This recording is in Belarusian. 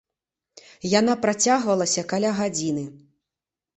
Яна працягвалася каля гадзіны.